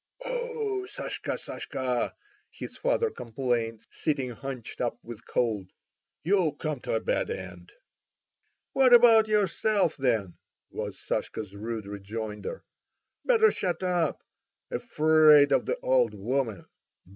"Oh! Sashka, Sashka," his father complained, sitting hunched up with cold, "you'll come to a bad end." "What about yourself, then?" was Sashka's rude rejoinder. "Better shut up. Afraid of the old woman.